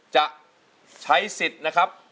จะใช้ศิษย์นะครับ